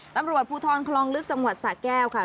ตำรวจภูทรคลองลึกจังหวัดสะแก้วค่ะ